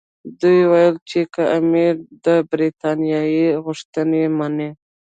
دوی ویل چې که امیر د برټانیې غوښتنې مني.